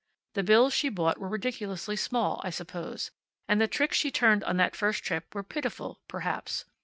The bills she bought were ridiculously small, I suppose, and the tricks she turned on that first trip were pitiful, perhaps.